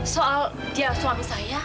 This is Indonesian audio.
soal dia suami saya